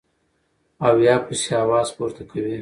او يا پسې اواز پورته کوي -